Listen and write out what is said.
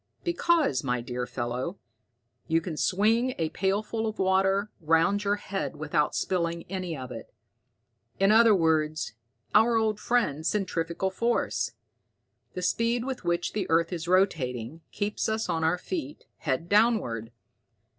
"Because, my dear fellow, you can swing a pailful of water round your head without spilling any of it. In other words, our old friend, centrifugal force. The speed with which the earth is rotating, keeps us on our feet, head downward.